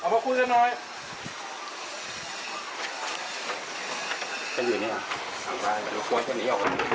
พ่อเอามาพบคุณเร็วหน่อย